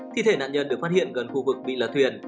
thi thể nạn nhân được phát hiện gần khu vực bị lật thuyền